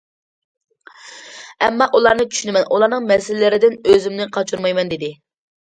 ئەمما ئۇلارنى چۈشىنىمەن، ئۇلارنىڭ مەسىلىلىرىدىن ئۆزۈمنى قاچۇرمايمەن، دېدى.